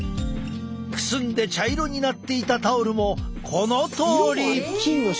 くすんで茶色になっていたタオルもこのとおり！